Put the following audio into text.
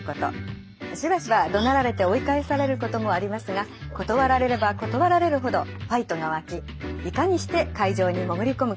しばしばどなられて追い返されることもありますが断られれば断られるほどファイトが湧きいかにして会場に潜り込むか